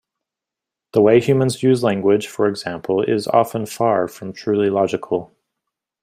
The way humans use language for example is often far from truly logical.